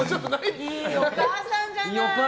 いいお母さんじゃない！